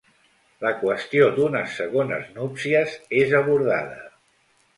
La qüestió d'unes segones núpcies és abordada.